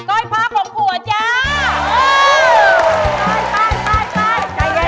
ก้อยฟ้าของขัวจ้า